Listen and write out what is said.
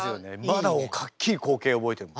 まだはっきり光景覚えてんの。